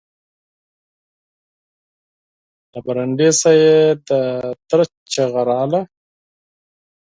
له چوترې څخه يې د تره چيغه راغله!